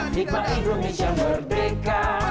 nikmat indonesia berdeka